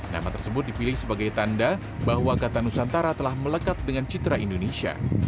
nama tersebut dipilih sebagai tanda bahwa kata nusantara telah melekat dengan citra indonesia